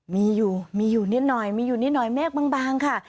มีอยู่มีอยู่นิดหน่อยมีอยู่นิดหน่อยเมฆบางค่ะ